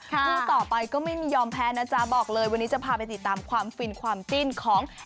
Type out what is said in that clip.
คู่ต่อไปก็ไม่มียอมแพ้นะจ๊ะบอกเลยวันนี้จะพาไปติดตามความฟินความจิ้นของ